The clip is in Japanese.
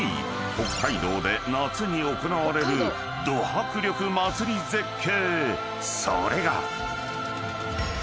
［北海道で夏に行われるド迫力祭り絶景］